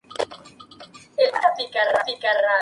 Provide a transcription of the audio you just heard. Sería la audiencia quien lo decidiría.